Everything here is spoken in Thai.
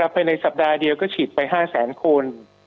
ไปในสัปดาห์เดียวก็ฉีดไป๕๐๐๐๐๐คน